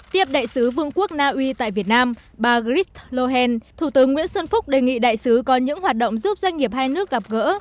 tiếp đại sứ vương quốc na uy tại việt nam bà grid lohen thủ tướng nguyễn xuân phúc đề nghị đại sứ có những hoạt động giúp doanh nghiệp hai nước gặp gỡ